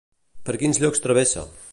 Per quins llocs travessa?